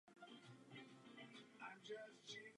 Jinak řečeno, musíme bojovat proti hrozbě změny vlajky.